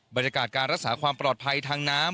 บรรยากาศการรักษาความปลอดภัยทางน้ำ